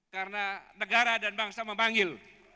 karena negara dan bangsa memanggil